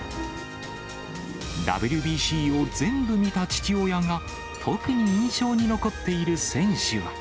ＷＢＣを全部見た父親が、特に印象に残っている選手は。